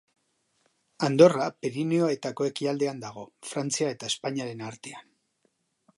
Andorra Pirinioetako ekialdean dago, Frantzia eta Espainiaren artean.